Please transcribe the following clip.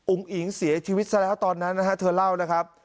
อิ๋งเสียชีวิตซะแล้วตอนนั้นนะฮะเธอเล่านะครับ